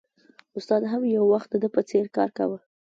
استاد هم یو وخت د ده په څېر کار کاوه